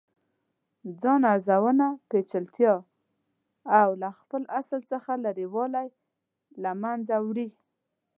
ځان ارزونه پیچلتیا او له خپل اصل څخه لرې والې له منځه وړي.